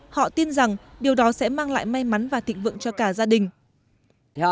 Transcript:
họ tin rằng điều đó sẽ mang lại may mắn và thịnh vượng cho cả gia đình